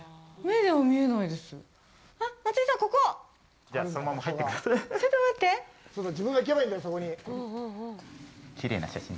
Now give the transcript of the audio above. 目では見えないです